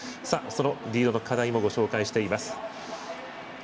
リードの課題もご紹介しています。